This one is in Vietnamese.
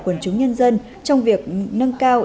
quần chúng nhân dân trong việc nâng cao